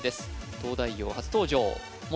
「東大王」初登場元